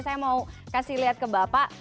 saya mau kasih lihat ke bapak